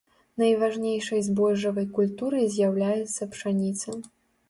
Найважнейшай збожжавай культурай з'яўляецца пшаніца.